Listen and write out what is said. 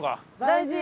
大事！